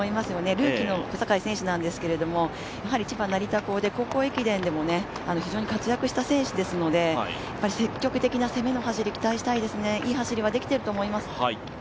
ルーキーの小坂井選手ですが、千葉の成田高で高校駅伝でも非常に活躍した選手ですので、積極的な攻めの走りを期待したいですね、いい走りはできていると思います。